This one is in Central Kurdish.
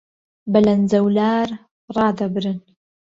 بەلەنجەولار ڕادەبرن